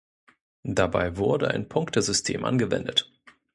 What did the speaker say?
Dabei wurde ein Punktesystem angewendet.